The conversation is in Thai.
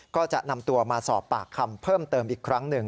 ก็จะนำตัวมาสอบปากคำเพิ่มเติมอีกครั้งหนึ่ง